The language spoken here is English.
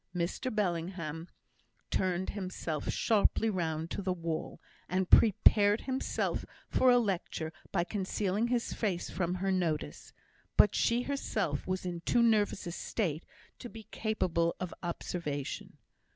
Mr Bellingham turned himself sharply round to the wall, and prepared himself for a lecture by concealing his face from her notice; but she herself was in too nervous a state to be capable of observation.